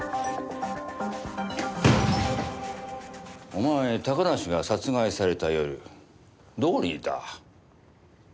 お前高梨が殺害された夜どこにいた？